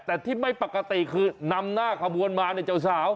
แต่ที่ไม่ปกติคือนำหน้าขบวนมาเนี่ยเจ้าสาว